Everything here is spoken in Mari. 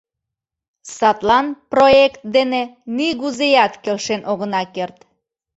Садлан проект дене нигузеат келшен огына керт.